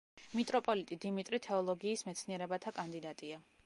მიტროპოლიტი დიმიტრი თეოლოგიის მეცნიერებათა კანდიდატია.